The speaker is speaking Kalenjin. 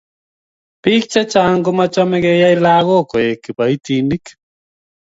biik chechang' ko machamei keyai lagok koleku kiboitinik